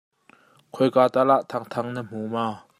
Khoi ka tal ah Thangthang na hmu maw?